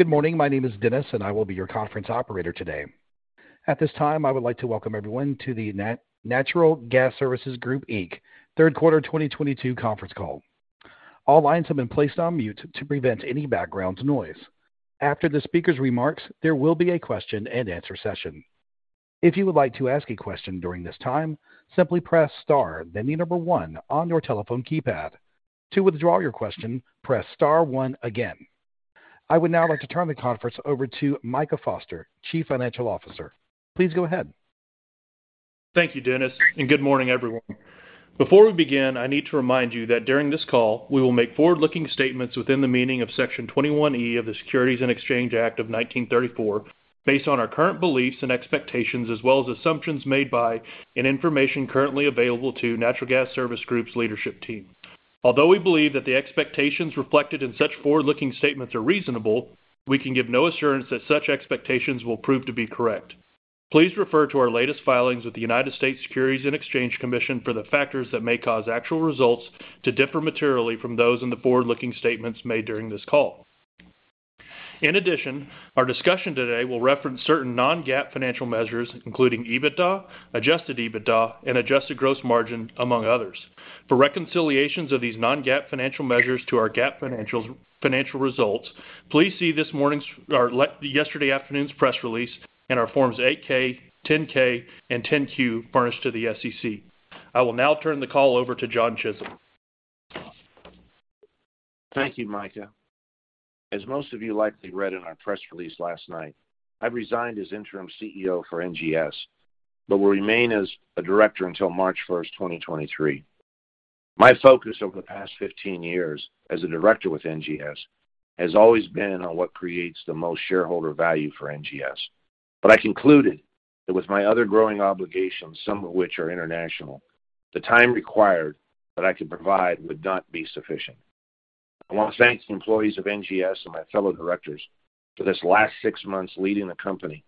Good morning. My name is Dennis, and I will be your conference operator today. At this time, I would like to welcome everyone to the Natural Gas Services Group, Inc third quarter 2022 conference call. All lines have been placed on mute to prevent any background noise. After the speaker's remarks, there will be a question-and-answer session. If you would like to ask a question during this time, simply press star then the number one on your telephone keypad. To withdraw your question, press star one again. I would now like to turn the conference over to Micah Foster, Chief Financial Officer. Please go ahead. Thank you, Dennis, and good morning, everyone. Before we begin, I need to remind you that during this call, we will make forward-looking statements within the meaning of Section 21E of the Securities Exchange Act of 1934, based on our current beliefs and expectations, as well as assumptions made by and information currently available to Natural Gas Services Group's leadership team. Although we believe that the expectations reflected in such forward-looking statements are reasonable, we can give no assurance that such expectations will prove to be correct. Please refer to our latest filings with the United States Securities and Exchange Commission for the factors that may cause actual results to differ materially from those in the forward-looking statements made during this call. In addition, our discussion today will reference certain non-GAAP financial measures, including EBITDA, Adjusted EBITDA, and Adjusted Gross Margin, among others. For reconciliations of these non-GAAP financial measures to our GAAP financials, financial results, please see yesterday afternoon's press release and our Form 8-K, Form 10-K, and Form 10-Q furnished to the SEC. I will now turn the call over to John Chisholm. Thank you, Micah. As most of you likely read in our press release last night, I've resigned as Interim CEO for NGS but will remain as a Director until March 1st, 2023. My focus over the past 15 years as a Director with NGS has always been on what creates the most shareholder value for NGS. I concluded that with my other growing obligations, some of which are international, the time required that I could provide would not be sufficient. I wanna thank the employees of NGS and my fellow Directors for this last six months leading the company.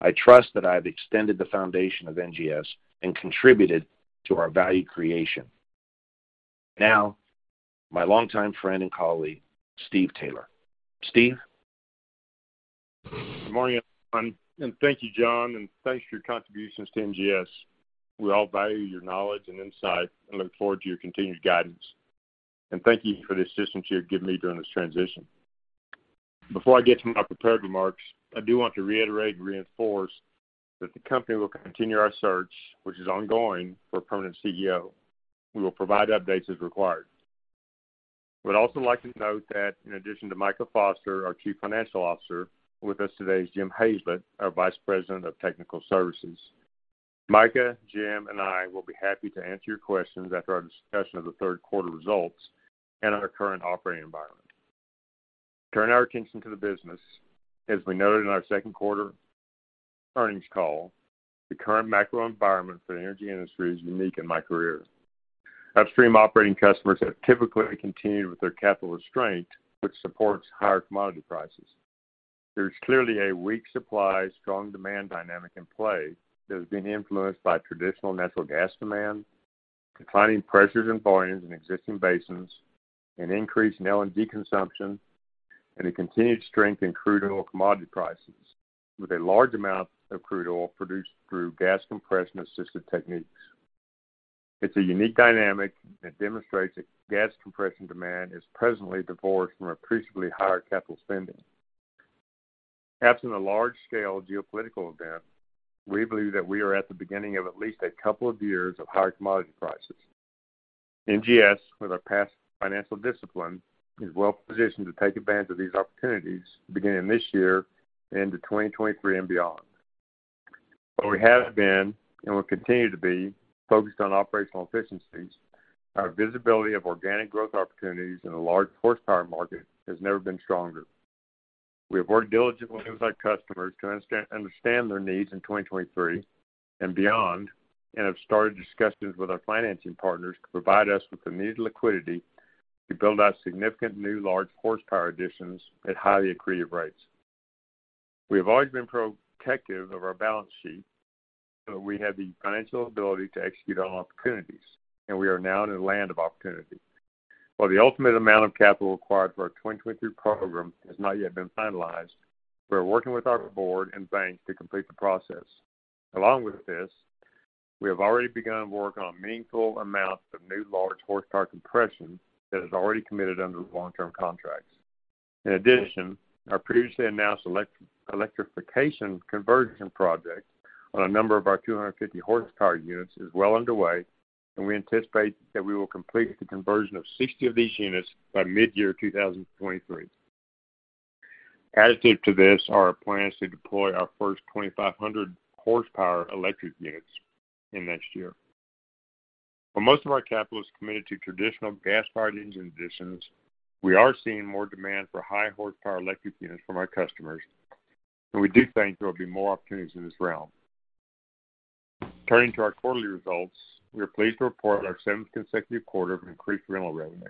I trust that I've extended the foundation of NGS and contributed to our value creation. Now, my longtime friend and colleague, Steve Taylor. Steve. Good morning, everyone, and thank you, John, and thanks for your contributions to NGS. We all value your knowledge and insight and look forward to your continued guidance. Thank you for the assistance you have given me during this transition. Before I get to my prepared remarks, I do want to reiterate and reinforce that the company will continue our search, which is ongoing, for a permanent CEO. We will provide updates as required. We'd also like to note that in addition to Micah Foster, our Chief Financial Officer, with us today is Jim Hazlett, our Vice President of Technical Services. Micah, Jim, and I will be happy to answer your questions after our discussion of the third quarter results and our current operating environment. Turning our attention to the business, as we noted in our second quarter earnings call, the current macro environment for the energy industry is unique in my career. Upstream operating customers have typically continued with their capital restraint, which supports higher commodity prices. There's clearly a weak supply, strong demand dynamic in play that has been influenced by traditional natural gas demand, declining pressures and volumes in existing basins, an increase in LNG consumption, and a continued strength in crude oil commodity prices, with a large amount of crude oil produced through gas compression assisted techniques. It's a unique dynamic that demonstrates that gas compression demand is presently divorced from appreciably higher capital spending. Perhaps in a large-scale geopolitical event, we believe that we are at the beginning of at least a couple of years of higher commodity prices. NGS, with our past financial discipline, is well-positioned to take advantage of these opportunities beginning this year into 2023 and beyond. Where we have been and will continue to be focused on operational efficiencies, our visibility of organic growth opportunities in a large horsepower market has never been stronger. We have worked diligently with our customers to understand their needs in 2023 and beyond and have started discussions with our financing partners to provide us with the needed liquidity to build out significant new large horsepower additions at highly accretive rates. We have always been protective of our balance sheet, so we have the financial ability to execute on opportunities, and we are now in a land of opportunity. While the ultimate amount of capital required for our 2023 program has not yet been finalized, we are working with our board and banks to complete the process. Along with this, we have already begun work on a meaningful amount of new large horsepower compression that is already committed under long-term contracts. In addition, our previously announced electrification conversion project on a number of our 250-horsepower units is well underway, and we anticipate that we will complete the conversion of 60 of these units by mid-year 2023. Additive to this are our plans to deploy our first 2,500-horsepower electric units in next year. While most of our capital is committed to traditional gas-fired engine additions, we are seeing more demand for high horsepower electric units from our customers, and we do think there will be more opportunities in this realm. Turning to our quarterly results, we are pleased to report our seventh consecutive quarter of increased rental revenue.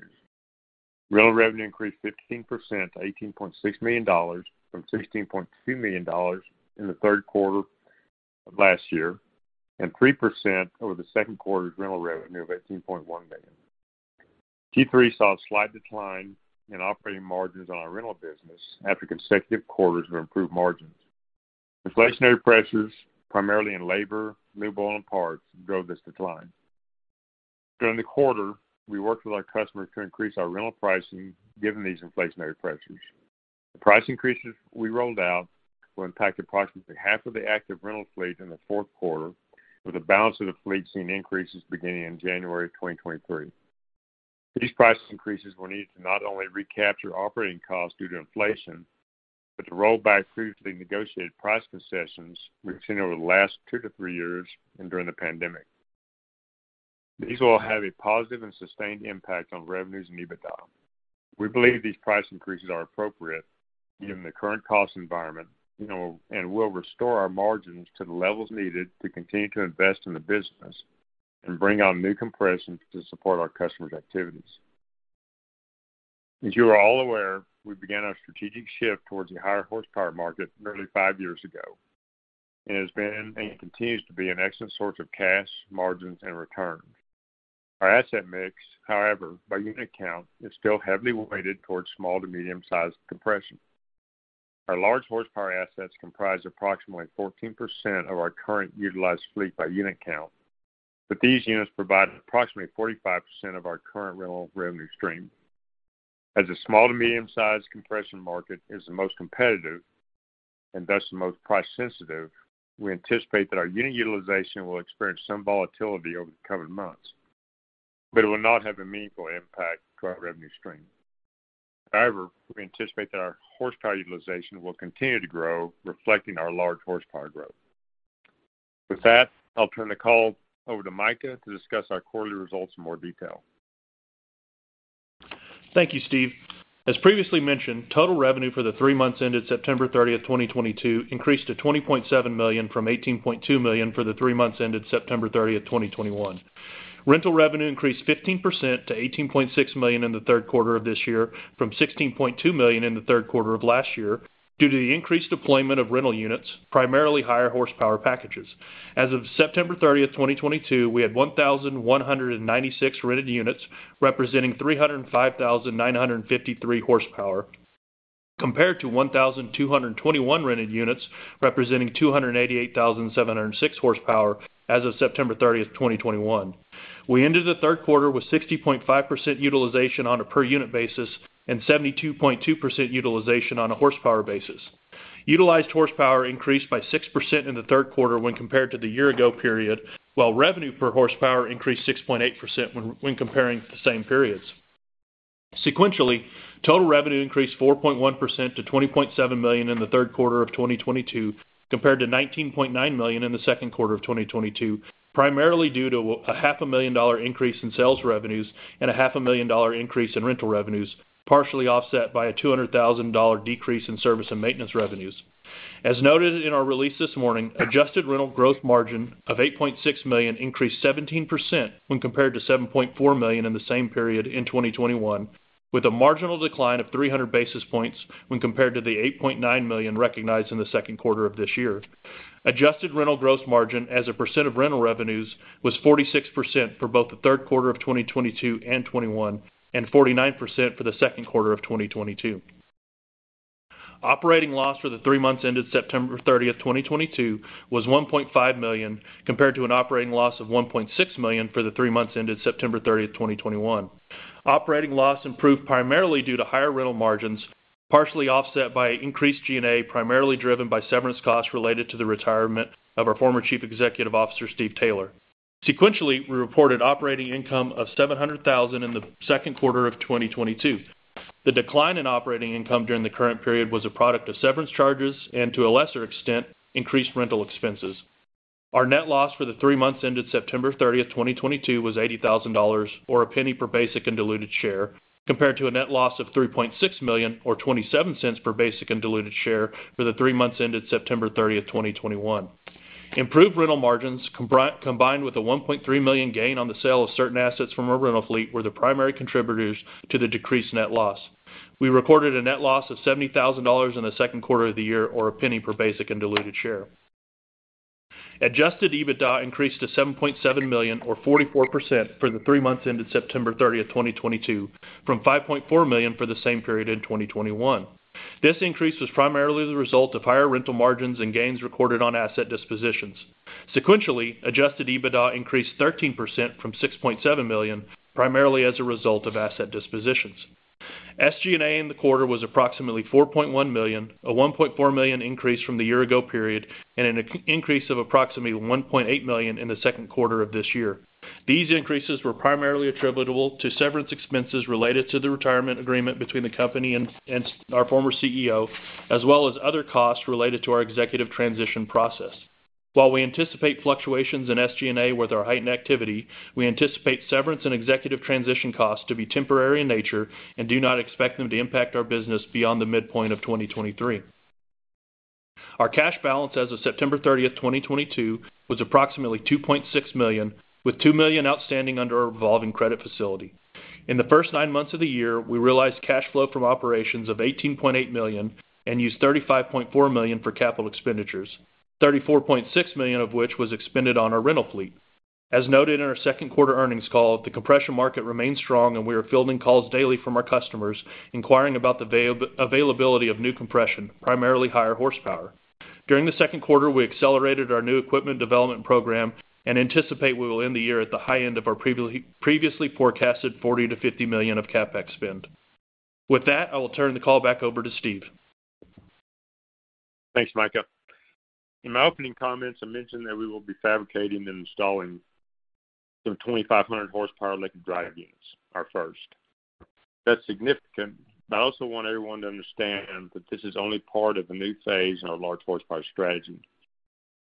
Rental revenue increased 15% to $18.6 million from $16.2 million in the third quarter of last year and 3% over the second quarter's rental revenue of $18.1 million. Q3 saw a slight decline in operating margins on our rental business after consecutive quarters of improved margins. Inflationary pressures, primarily in labor, new OEM parts, drove this decline. During the quarter, we worked with our customers to increase our rental pricing given these inflationary pressures. The price increases we rolled out will impact approximately half of the active rental fleet in the fourth quarter, with the balance of the fleet seeing increases beginning in January 2023. These price increases were needed to not only recapture operating costs due to inflation, but to roll back previously negotiated price concessions we've seen over the last two to three years and during the pandemic. These will have a positive and sustained impact on revenues and EBITDA. We believe these price increases are appropriate given the current cost environment and will restore our margins to the levels needed to continue to invest in the business and bring on new compression to support our customers' activities. As you are all aware, we began our strategic shift towards the higher horsepower market nearly five years ago. It has been and continues to be an excellent source of cash, margins, and returns. Our asset mix, however, by unit count, is still heavily weighted towards small to medium-sized compression. Our large horsepower assets comprise approximately 14% of our current utilized fleet by unit count, but these units provide approximately 45% of our current rental revenue stream. As a small to medium-sized compression market is the most competitive and thus the most price sensitive, we anticipate that our unit utilization will experience some volatility over the coming months, but it will not have a meaningful impact to our revenue stream. However, we anticipate that our horsepower utilization will continue to grow, reflecting our large horsepower growth. With that, I'll turn the call over to Micah to discuss our quarterly results in more detail. Thank you, Steve. As previously mentioned, total revenue for the three months ended September 30th, 2022 increased to $20.7 million from $18.2 million for the three months ended September 30th, 2021. Rental revenue increased 15% to $18.6 million in the third quarter of this year from $16.2 million in the third quarter of last year due to the increased deployment of rental units, primarily higher horsepower packages. As of September 30th, 2022, we had 1,196 rented units, representing 305,953 horsepower, compared to 1,221 rented units representing 288,706 horsepower as of September 30th, 2021. We ended the third quarter with 60.5% utilization on a per unit basis and 72.2% utilization on a horsepower basis. Utilized horsepower increased by 6% in the third quarter when compared to the year ago period, while revenue per horsepower increased 6.8% when comparing the same periods. Sequentially, total revenue increased 4.1% to $20.7 million in the third quarter of 2022, compared to $19.9 million in the second quarter of 2022, primarily due to a $500,000 increase in sales revenues and a $500,000 increase in rental revenues, partially offset by a $200,000 decrease in service and maintenance revenues. As noted in our release this morning, adjusted rental gross margin of $8.6 million increased 17% when compared to $7.4 million in the same period in 2021, with a marginal decline of 300 basis points when compared to the $8.9 million recognized in the second quarter of this year. Adjusted rental gross margin as a percent of rental revenues was 46% for both the third quarter of 2022 and 2021, and 49% for the second quarter of 2022. Operating loss for the three months ended September 30thth, 2022 was $1.5 million, compared to an operating loss of $1.6 million for the three months ended September 30, 2021. Operating loss improved primarily due to higher rental margins, partially offset by increased G&A, primarily driven by severance costs related to the retirement of our former Chief Executive Officer, Steve Taylor. Sequentially, we reported operating income of $700,000 in the second quarter of 2022. The decline in operating income during the current period was a product of severance charges and to a lesser extent, increased rental expenses. Our net loss for the three months ended September 30th, 2022 was $80,000 or $0.01 per basic and diluted share, compared to a net loss of $3.6 million or $0.27 per basic and diluted share for the three months ended September 30th, 2021. Improved rental margins combined with a $1.3 million gain on the sale of certain assets from our rental fleet were the primary contributors to the decreased net loss. We recorded a net loss of $70,000 in the second quarter of the year, or $0.01 per basic and diluted share. Adjusted EBITDA increased to $7.7 million or 44% for the three months ended September 30th, 2022, from $5.4 million for the same period in 2021. This increase was primarily the result of higher rental margins and gains recorded on asset dispositions. Sequentially, Adjusted EBITDA increased 13% from $6.7 million, primarily as a result of asset dispositions. SG&A in the quarter was approximately $4.1 million, a $1.4 million increase from the year ago period and an increase of approximately $1.8 million in the second quarter of this year. These increases were primarily attributable to severance expenses related to the retirement agreement between the company and our former CEO, as well as other costs related to our executive transition process. While we anticipate fluctuations in SG&A with our heightened activity, we anticipate severance and executive transition costs to be temporary in nature and do not expect them to impact our business beyond the midpoint of 2023. Our cash balance as of September 30th, 2022 was approximately $2.6 million, with $2 million outstanding under our revolving credit facility. In the first nine months of the year, we realized cash flow from operations of $18.8 million and used $35.4 million for capital expenditures, $34.6 million of which was expended on our rental fleet. As noted in our second quarter earnings call, the compression market remains strong, and we are fielding calls daily from our customers inquiring about the availability of new compression, primarily higher horsepower. During the second quarter, we accelerated our new equipment development program and anticipate we will end the year at the high end of our previously forecasted $40 million-$50 million of CapEx spend. With that, I will turn the call back over to Steve. Thanks, Micah. In my opening comments, I mentioned that we will be fabricating and installing some 2,500-horsepower electric drive units, our first. That's significant, but I also want everyone to understand that this is only part of a new phase in our large horsepower strategy.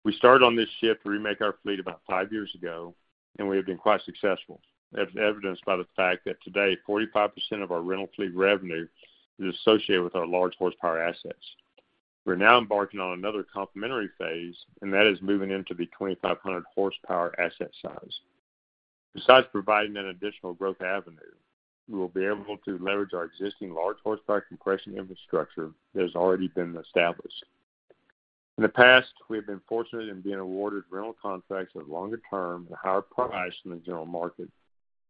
We started on this shift to remake our fleet about 5 years ago, and we have been quite successful, as evidenced by the fact that today, 45% of our rental fleet revenue is associated with our large horsepower assets. We're now embarking on another complementary phase, and that is moving into the 2,500-horsepower asset size. Besides providing an additional growth avenue, we will be able to leverage our existing large horsepower compression infrastructure that has already been established. In the past, we have been fortunate in being awarded rental contracts with longer term and higher price than the general market.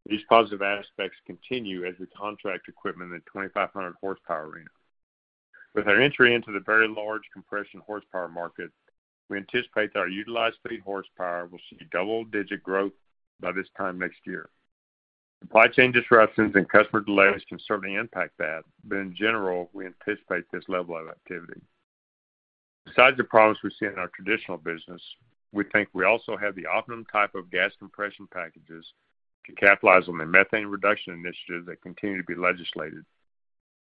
These positive aspects continue as we contract equipment in the 2,500 horsepower arena. With our entry into the very large compression horsepower market, we anticipate that our utilized fleet horsepower will see double-digit growth by this time next year. Supply chain disruptions and customer delays can certainly impact that, but in general, we anticipate this level of activity. Besides the progress we see in our traditional business, we think we also have the optimum type of gas compression packages to capitalize on the methane reduction initiatives that continue to be legislated,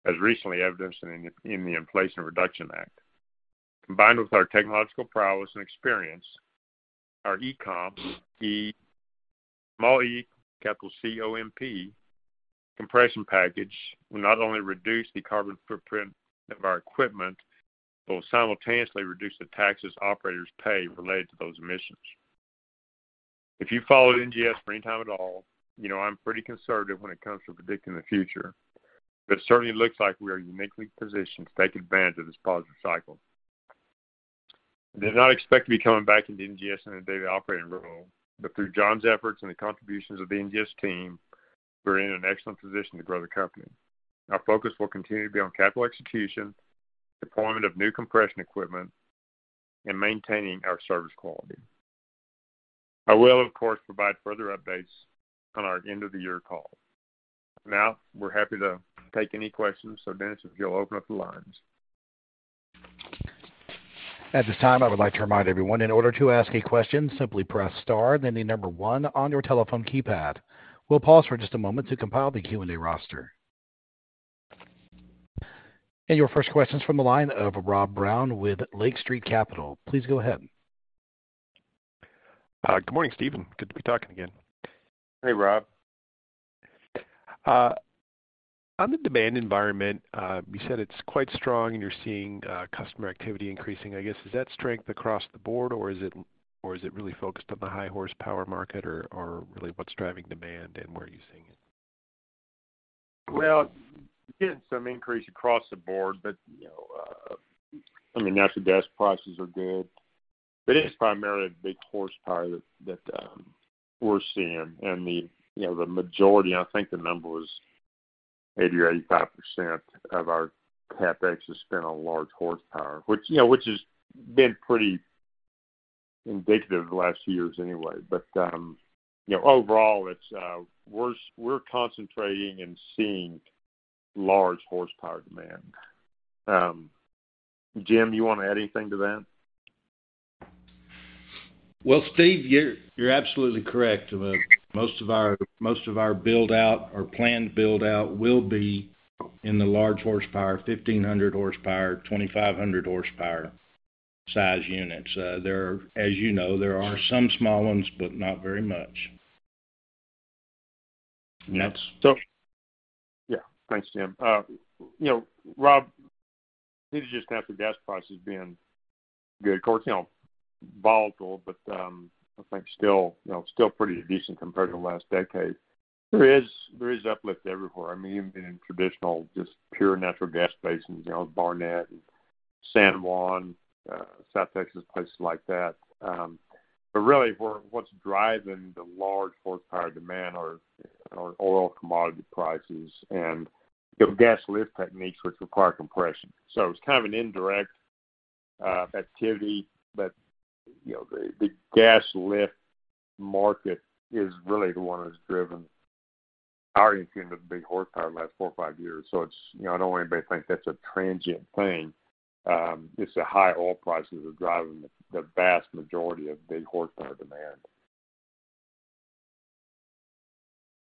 as recently evidenced in the Inflation Reduction Act. Combined with our technological prowess and experience, our eCOMP, E, small E, capital C-O-M-P compression package will not only reduce the carbon footprint of our equipment, but will simultaneously reduce the taxes operators pay related to those emissions. If you followed NGS for any time at all, you know I'm pretty conservative when it comes to predicting the future, but it certainly looks like we are uniquely positioned to take advantage of this positive cycle. I did not expect to be coming back into NGS in a daily operating role, but through John's efforts and the contributions of the NGS team, we're in an excellent position to grow the company. Our focus will continue to be on capital execution, deployment of new compression equipment, and maintaining our service quality. I will, of course, provide further updates on our end of the year call. Now, we're happy to take any questions. Dennis, if you'll open up the lines. At this time, I would like to remind everyone, in order to ask a question, simply press star then the number one on your telephone keypad. We'll pause for just a moment to compile the Q&A roster. Your first question is from the line of Rob Brown with Lake Street Capital Markets. Please go ahead. Good morning, Steve, and good to be talking again. Hey, Rob. On the demand environment, you said it's quite strong and you're seeing customer activity increasing. I guess, is that strength across the board or is it really focused on the high horsepower market or really what's driving demand and where are you seeing it? Well, getting some increase across the board, but, you know, I mean, natural gas prices are good. It is primarily big horsepower that we're seeing and, you know, the majority and I think the number was 80% or 85% of our CapEx is spent on large horsepower, which, you know, has been pretty indicative of the last few years anyway. You know, overall it's, we're concentrating and seeing large horsepower demand. Jim, you want to add anything to that? Well, Steve, you're absolutely correct. Most of our build-out or planned build-out will be in the large horsepower, 1,500 horsepower, 2,500 horsepower size units. As you know, there are some small ones, but not very much. Yeah. Thanks, Jim. You know, Rob, it is just natural gas prices being good. Of course, you know, volatile, but I think still, you know, still pretty decent compared to the last decade. There is uplift everywhere. I mean, even in traditional just pure natural gas basins, you know, Barnett and San Juan, South Texas, places like that. But really, what's driving the large horsepower demand are oil commodity prices and the gas lift techniques which require compression. It's kind of an indirect activity, but you know, the gas lift market is really the one that's driven our end of the big horsepower the last four or five years. You know, I don't want anybody to think that's a transient thing. It's the high oil prices are driving the vast majority of big horsepower demand.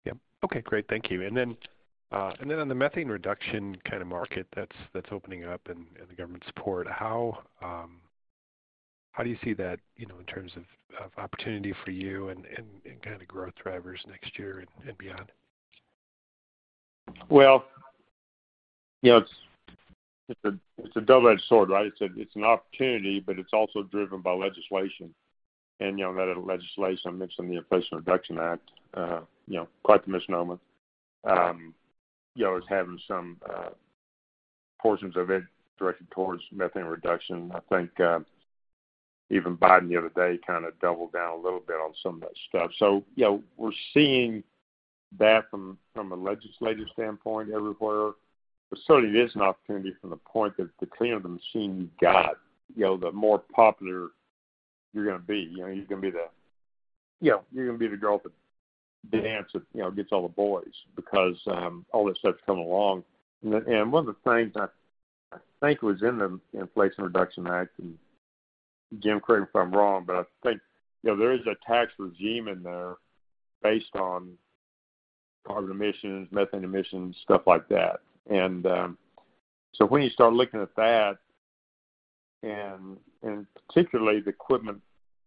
Yeah. Okay, great. Thank you. On the methane reduction kind of market that's opening up and the government support, how do you see that, you know, in terms of opportunity for you and kind of growth drivers next year and beyond? Well, you know, it's a double-edged sword, right? It's an opportunity, but it's also driven by legislation. You know, that legislation, I mentioned the Inflation Reduction Act, you know, quite the misnomer. You know, it's having some portions of it directed towards methane reduction. I think even Biden the other day kinda doubled down a little bit on some of that stuff. You know, we're seeing that from a legislative standpoint everywhere. Certainly it is an opportunity from the point that the cleaner the machine you've got, you know, the more popular you're gonna be. You know, you're gonna be the girl at the dance that, you know, gets all the boys because all that stuff's coming along. One of the things I think was in the Inflation Reduction Act, and Jim, correct me if I'm wrong, but I think, you know, there is a tax regime in there based on carbon emissions, methane emissions, stuff like that. When you start looking at that, and particularly the equipment,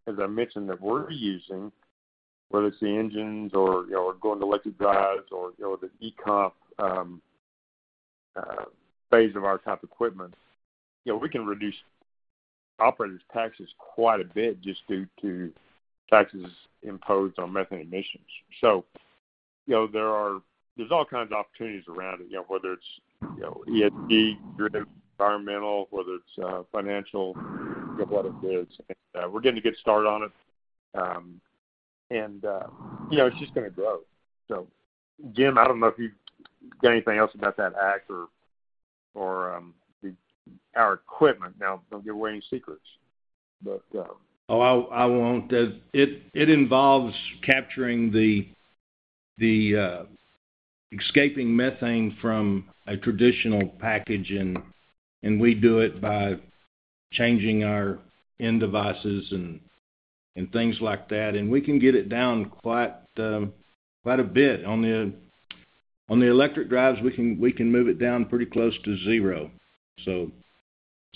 as I mentioned, that we're using, whether it's the engines or, you know, or going to electric drives or, you know, the eComp phase of our type equipment, you know, we can reduce operators' taxes quite a bit just due to taxes imposed on methane emissions. You know, there's all kinds of opportunities around it, you know, whether it's, you know, ESG driven, environmental, whether it's financial, you know, what it is. We're getting a good start on it. You know, it's just gonna grow. Jim, I don't know if you've got anything else about that act or our equipment. Now, don't give away any secrets, but Oh, I won't. It involves capturing the escaping methane from a traditional package, and we do it by changing our end devices and things like that. We can get it down quite a bit. On the electric drives, we can move it down pretty close to zero.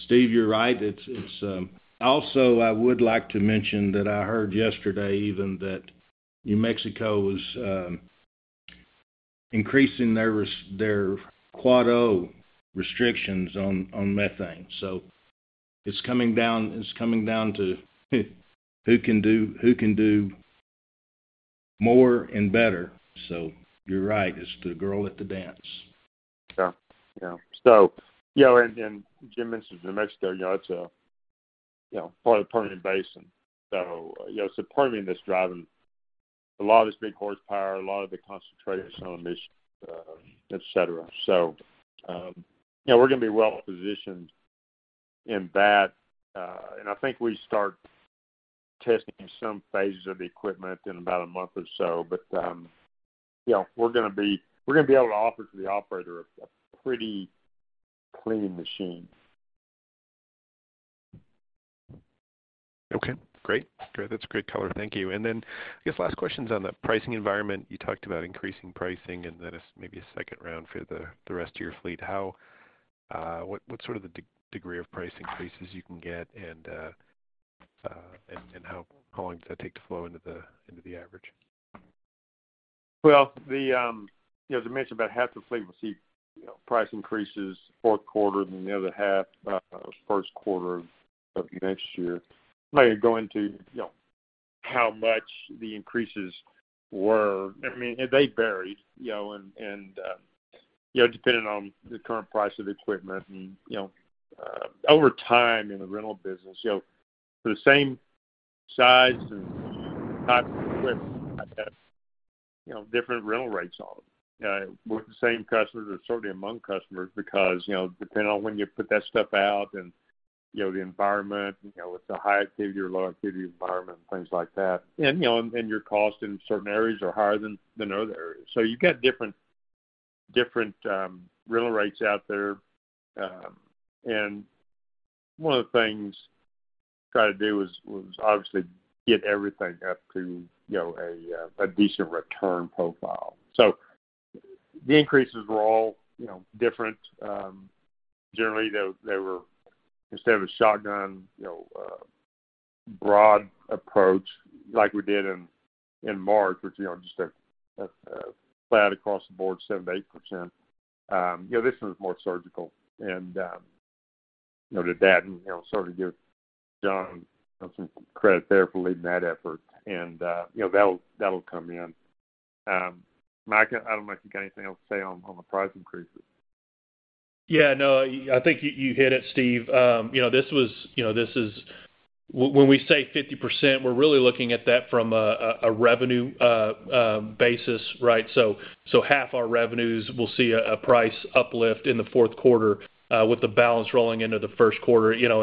Steve, you're right. It's. Also, I would like to mention that I heard yesterday even that New Mexico is increasing their Quad O restrictions on methane. It's coming down to who can do more and better. You're right, it's the girl at the dance. Yeah. Yeah. You know, and Jim mentioned New Mexico, you know. It's a, you know, part of the Permian Basin. You know, it's the Permian that's driving a lot of this big horsepower, a lot of the concentration on emissions, et cetera. You know, we're gonna be well positioned in that, and I think we start testing some phases of the equipment in about a month or so. You know, we're gonna be able to offer to the operator a pretty clean machine. Okay, great. Great. That's great color. Thank you. I guess last question is on the pricing environment. You talked about increasing pricing and then as maybe a second round for the rest of your fleet. How, what's sort of the degree of price increases you can get and how long does that take to flow into the average? Well, you know, as I mentioned, about half the fleet will see, you know, price increases fourth quarter, and then the other half, first quarter of next year. I'm not gonna go into, you know, how much the increases were. I mean, they varied, you know, and, you know, depending on the current price of equipment and, you know, over time in the rental business, you know, the same size and type of equipment might have, you know, different rental rates on them, with the same customers or certainly among customers because, you know, depending on when you put that stuff out and, you know, the environment, you know, if it's a high activity or low activity environment and things like that. You know, your cost in certain areas are higher than other areas. You got different rental rates out there. One of the things we try to do was obviously get everything up to, you know, a decent return profile. The increases were all, you know, different. Generally, they were instead of a shotgun, you know, broad approach like we did in March, which, you know, just a flat across the board, 7%-8%, you know, this one's more surgical. You know, did that and, you know, sort of give John some credit there for leading that effort. You know, that'll come in. Micah, I don't know if you got anything else to say on the price increases. Yeah, no, I think you hit it, Steve. You know, this is when we say 50%, we're really looking at that from a revenue basis, right? Half our revenues will see a price uplift in the fourth quarter, with the balance rolling into the first quarter. You know,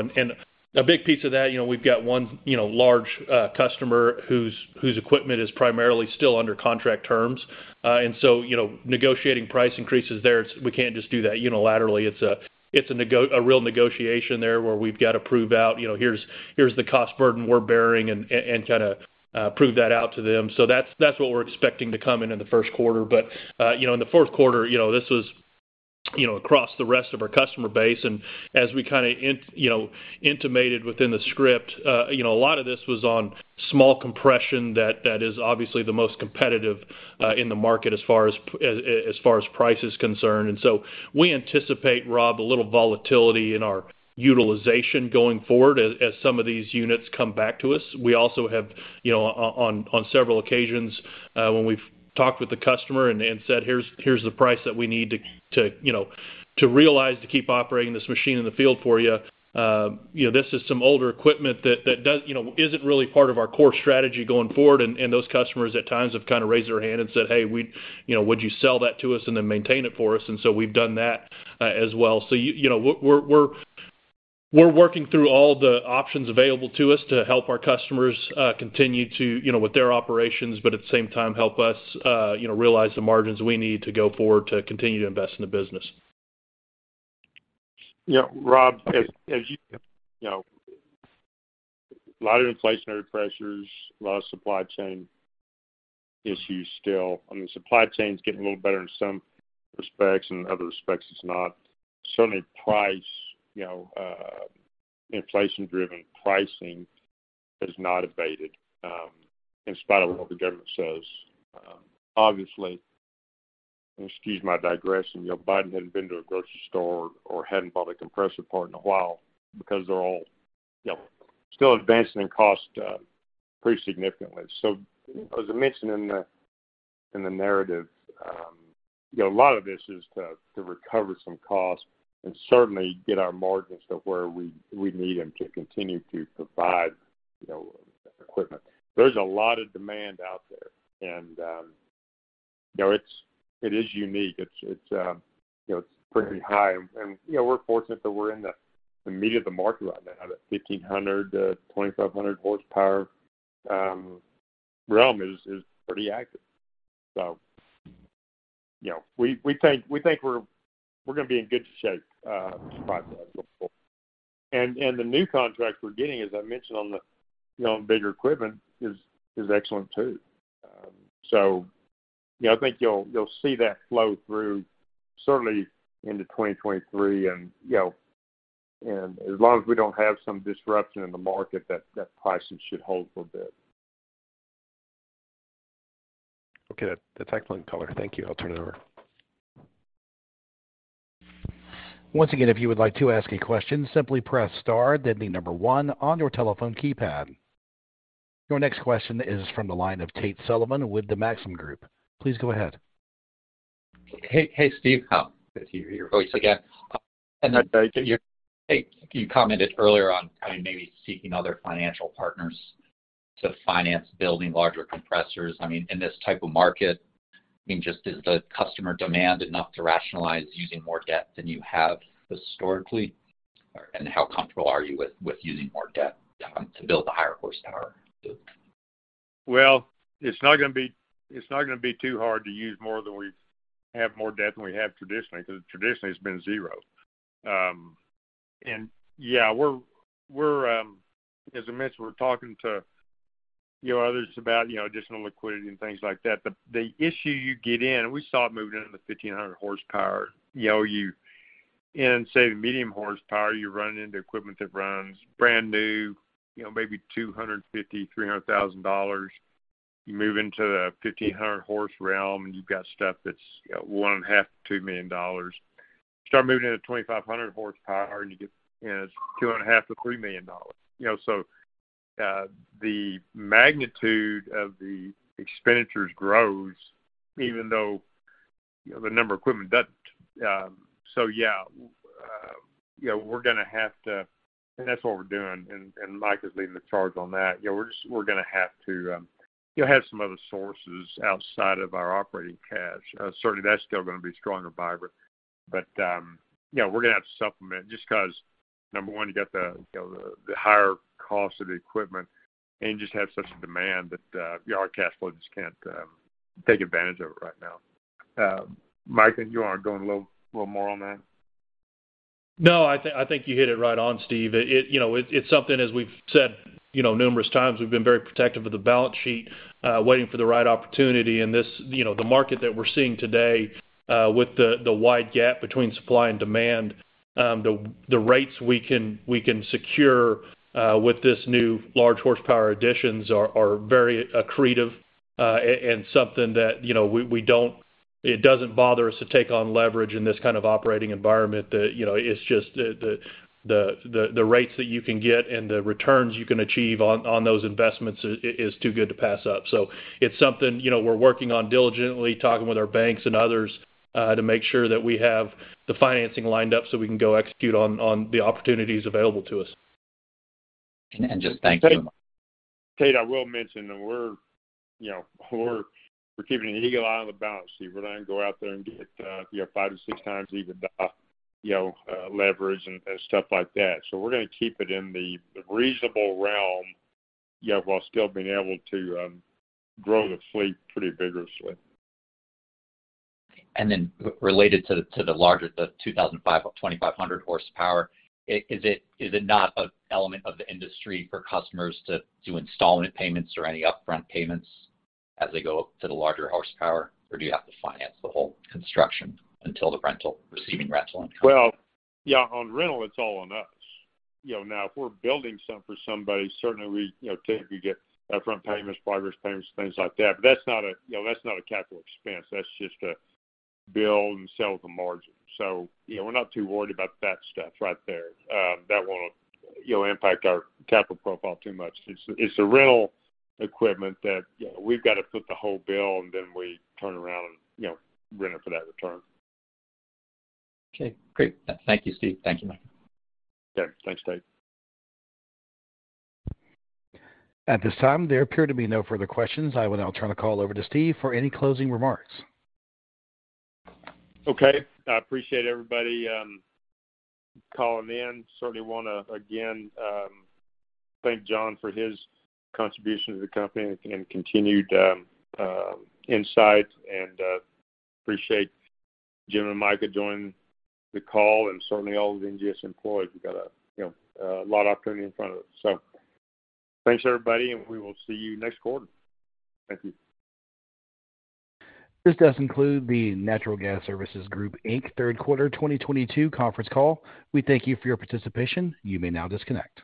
a big piece of that, you know, we've got one large customer whose equipment is primarily still under contract terms. You know, negotiating price increases there, we can't just do that unilaterally. It's a real negotiation there, where we've got to prove out, you know, here's the cost burden we're bearing and kinda prove that out to them. That's what we're expecting to come in in the first quarter. In the fourth quarter, you know, this was, you know, across the rest of our customer base. As we kind of intimated within the script, you know, a lot of this was on small compression that is obviously the most competitive in the market as far as price is concerned. We anticipate, Rob, a little volatility in our utilization going forward as some of these units come back to us. We also have, you know, on several occasions, when we've talked with the customer and said, "Here's the price that we need to, you know, to realize to keep operating this machine in the field for you." You know, this is some older equipment that you know, isn't really part of our core strategy going forward. Those customers at times have kind of raised their hand and said, "Hey, you know, would you sell that to us and then maintain it for us?" We've done that as well. You know, we're working through all the options available to us to help our customers continue to, you know, with their operations, but at the same time, help us you know realize the margins we need to go forward to continue to invest in the business. Yeah. Rob, as you know, a lot of inflationary pressures, a lot of supply chain issues still. I mean, supply chain is getting a little better in some respects, in other respects, it's not. Certainly, pricing, you know, inflation-driven pricing has not abated, in spite of what the government says. Obviously, excuse my digression, you know, Biden hadn't been to a grocery store or hadn't bought a compressor part in a while because they're all, you know, still advancing in cost pretty significantly. As I mentioned in the narrative, you know, a lot of this is to recover some costs and certainly get our margins to where we need them to continue to provide, you know, equipment. There's a lot of demand out there, and, you know, it is unique. You know, it's pretty high. You know, we're fortunate that we're in the meat of the market right now. The 1,500-2,500 horsepower realm is pretty active. You know, we think we're gonna be in good shape despite that going forward. The new contract we're getting, as I mentioned on the, you know, bigger equipment is excellent too. You know, I think you'll see that flow through certainly into 2023. You know, as long as we don't have some disruption in the market, that pricing should hold for a bit. Okay. That's excellent color. Thank you. I'll turn it over. Once again, if you would like to ask a question, simply press star then the number one on your telephone keypad. Your next question is from the line of Tate Sullivan with the Maxim Group. Please go ahead. Hey, hey, Steve. Oh, good to hear your voice again. You commented earlier on kind of maybe seeking other financial partners to finance building larger compressors. I mean, in this type of market, I mean, just is the customer demand enough to rationalize using more debt than you have historically? How comfortable are you with using more debt to build the higher horsepower? Well, it's not gonna be too hard to have more debt than we have traditionally, 'cause traditionally it's been zero. Yeah, as I mentioned, we're talking to, you know, others about, you know, additional liquidity and things like that. The issue you get in, and we saw it moving into the 1,500 horsepower. You know, in, say, the medium horsepower, you're running into equipment that costs brand new, you know, maybe $250,000-$300,000. You move into the 1,500 horse realm, and you've got stuff that's, you know, $1.5 million-$2 million. Start moving into 2,500 horsepower, and you get, and it's $2.5 million-$3 million. You know, the magnitude of the expenditures grows even though, you know, the number of equipment doesn't. Yeah. You know, we're gonna have to, and that's what we're doing, and Micah is leading the charge on that. You know, we're gonna have to, you know, have some other sources outside of our operating cash. Certainly that's still gonna be strong and vibrant. You know, we're gonna have to supplement just 'cause, number one, you got the, you know, the higher cost of the equipment, and you just have such demand that our cash flow just can't take advantage of it right now. Micah, did you wanna go in a little more on that? No. I think you hit it right on, Steve. It, you know, it's something, as we've said, you know, numerous times, we've been very protective of the balance sheet, waiting for the right opportunity. This, you know, the market that we're seeing today, with the wide gap between supply and demand, the rates we can secure, with this new large horsepower additions are very accretive, and something that, you know, it doesn't bother us to take on leverage in this kind of operating environment. That, you know, it's just the rates that you can get and the returns you can achieve on those investments is too good to pass up. It's something, you know, we're working on diligently, talking with our banks and others, to make sure that we have the financing lined up so we can go execute on the opportunities available to us. Just thank you. Tate, I will mention that we're, you know, keeping an eagle eye on the balance sheet. We're not gonna go out there and get, you know, 5x-6x EBITDA leverage and stuff like that. We're gonna keep it in the reasonable realm, you know, while still being able to grow the fleet pretty vigorously. Related to the larger 2,005 or 2,500 horsepower, is it not an element of the industry for customers to do installment payments or any upfront payments as they go up to the larger horsepower, or do you have to finance the whole construction until receiving rental income? Well, yeah, on rental, it's all on us. You know, now if we're building something for somebody, certainly we, you know, tend to get upfront payments, progress payments, things like that. That's not a, you know, that's not a capital expense. That's just a build and sell the margin. We're not too worried about that stuff right there. That won't, you know, impact our capital profile too much. It's the rental equipment that, you know, we've got to foot the whole bill and then we turn around and, you know, rent it for that return. Okay, great. Thank you, Steve. Thank you, Micah. Okay. Thanks, Tate. At this time, there appear to be no further questions. I will now turn the call over to Steve for any closing remarks. Okay. I appreciate everybody calling in. Certainly wanna again thank John for his contribution to the company and continued insight and appreciate Jim and Micah joining the call and certainly all the NGS employees. We've got, you know, a lot of opportunity in front of us. Thanks everybody, and we will see you next quarter. Thank you. This does conclude the Natural Gas Services Group, Inc third quarter 2022 conference call. We thank you for your participation. You may now disconnect.